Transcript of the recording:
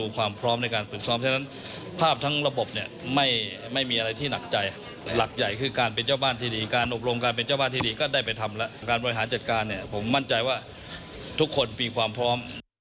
การบริหารจัดการเนี่ยผมมั่นใจว่าทุกคนมีความพร้อม